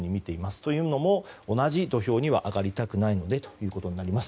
というのも同じ土俵に上がりたくないのでということになります。